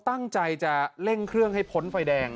ตั้งใจจะเร่งเครื่องให้พ้นไฟแดง